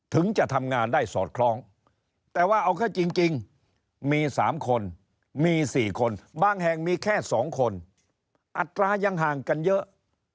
ถึงจะทำงานได้สอดคล้องแต่ว่าเอาแค่จริงมี๓คนมี๔คนบางแห่งมีแค่๒คนอัตรายังห่างกันเยอะ